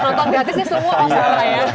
nonton gratisnya semua sama ya